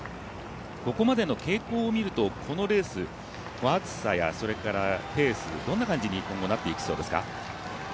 ここまでの傾向を見るとこのレース、暑さやそれからペース、どんな感じにこれからなっていきそうですか？